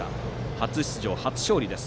初出場初勝利です。